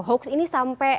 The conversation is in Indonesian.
hoax ini sampai dibahas